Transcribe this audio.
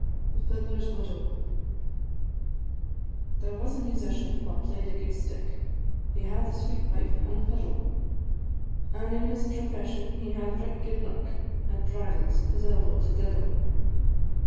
THE FIDDLER'S WIDOW. There was a musician wha play'd a good stick, He had a sweet wife an' a fiddle, An' in his profession he had right good luck At bridals his elbow to diddle.